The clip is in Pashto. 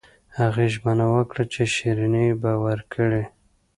هغې ژمنه وکړه چې شیریني به ورکړي